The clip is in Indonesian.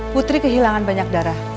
putri kehilangan banyak darah